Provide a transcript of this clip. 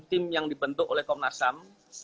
tim yang dibentuk oleh komnasam